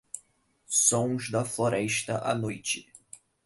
Sons da floresta à noite